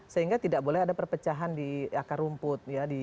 sehingga tidak boleh ada perpecahan di akar rumput